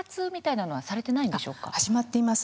始まっています。